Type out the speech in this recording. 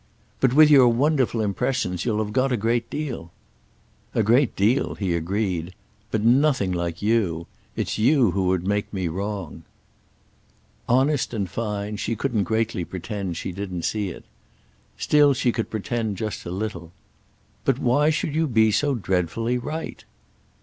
"But with your wonderful impressions you'll have got a great deal." "A great deal"—he agreed. "But nothing like you. It's you who would make me wrong!" Honest and fine, she couldn't greatly pretend she didn't see it. Still she could pretend just a little. "But why should you be so dreadfully right?"